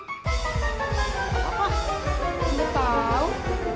gapapa lu nggak tau